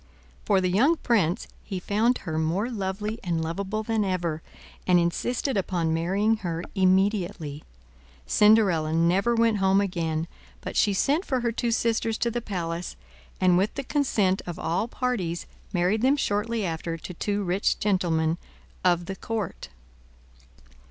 For the young prince, he found her more lovely and lovable than ever, and insisted upon marrying her immediately. Cinderella never went home again, but she sent for her two sisters to the palace, and with the consent of all parties married them shortly after to two rich gentlemen of the court.